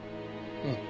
うん。